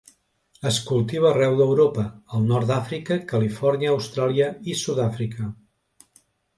Es cultiva arreu d'Europa, al nord d'Àfrica, Califòrnia, Austràlia i Sud-àfrica.